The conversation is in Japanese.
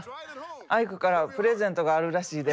アイクからプレゼントがあるらしいで。